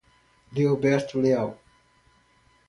Leoberto Leal